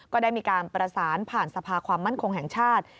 ก็ได้มีการประสานผ่านสภาความมั่นคงแห่งชาติ